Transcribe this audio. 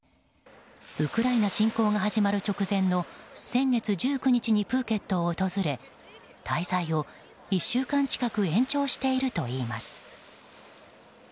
ウクライナ侵攻が始まる直前の先月１９日にプーケットを訪れ滞在を１週間近く延長しているといいます。